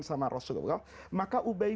sama rasulullah maka ubay